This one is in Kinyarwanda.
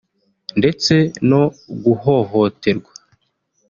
ndetse no guhohoterwa